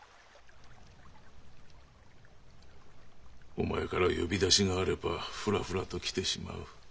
お前から呼び出しがあればふらふらと来てしまう。